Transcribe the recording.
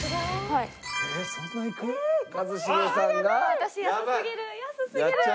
私安すぎる安すぎる。